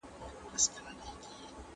په دې ښار كي داسي ډېر به لېونيان وي.